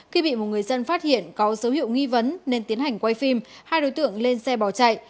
khi bị một người dân phát hiện có dấu hiệu nghi vấn nên tiến hành quay phim hai đối tượng lên xe bỏ chạy